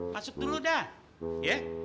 masuk dulu dah